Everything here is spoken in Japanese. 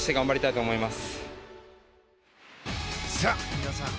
皆さん